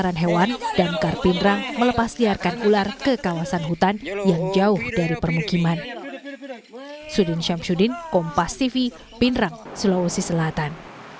penangkaran hewan damkar pindrang melepas diarkan ular ke kawasan hutan yang jauh dari permukiman